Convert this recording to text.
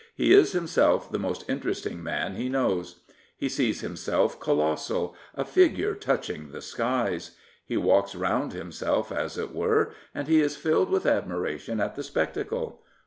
He is himself the most interest ing man he knows. He sees himself colossal, a figure touching the skies. He walks round himself, as it were, and he is filled with admiration at the spectacle.